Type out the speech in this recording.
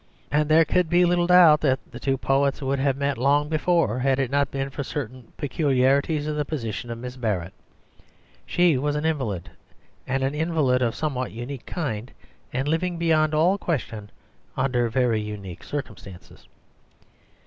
And there could be little doubt that the two poets would have met long before had it not been for certain peculiarities in the position of Miss Barrett. She was an invalid, and an invalid of a somewhat unique kind, and living beyond all question under very unique circumstances.